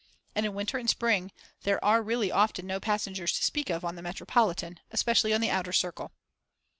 And in winter and spring there are really often no passengers to speak of on the Metropolitan, especially on the Outer Circle.